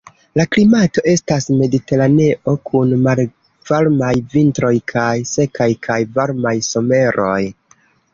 La klimato estas mediteraneo kun malvarmaj vintroj kaj sekaj kaj varmaj someroj.